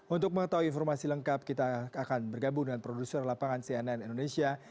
untuk mengetahui informasi lengkap kita akan bergabung dengan produser lapangan cnn indonesia